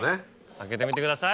開けてみてください。